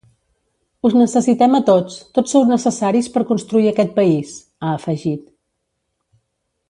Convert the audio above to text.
“Us necessitem a tots, tots sou necessaris per construir aquest país”, ha afegit.